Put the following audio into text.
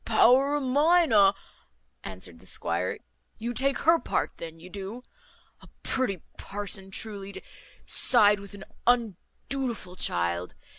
"Power of mine a ," answered the squire. "You take her part then, you do? A pretty parson, truly, to side with an undutiful child!